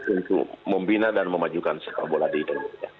untuk membina dan memajukan sepak bola di indonesia